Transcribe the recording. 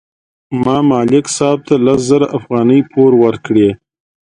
ما ملک صاحب ته لس زره افغانۍ پور ورکړې.